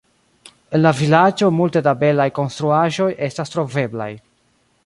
En la vilaĝo multe da belaj konstruaĵoj estas troveblaj.